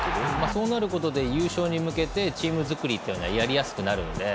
そうなることで優勝に向けてチーム作りはやりやすくなるので。